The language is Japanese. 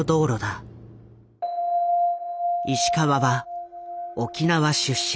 石川は沖縄出身。